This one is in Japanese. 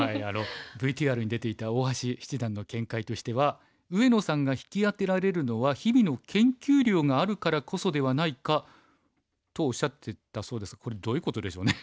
ＶＴＲに出ていた大橋七段の見解としては「上野さんが引き当てられるのは日々の研究量があるからこそではないか」とおっしゃっていたそうですがこれどういうことでしょうね。